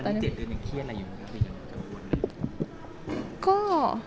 ตอนนี้เจ็ดดื่มอย่างเครียดอะไรอยู่มันก็คืออย่างกันควรเลย